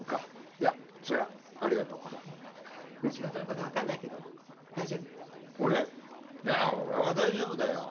いや俺は大丈夫だよ。